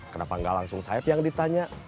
kenapa gak langsung saeb yang ditanya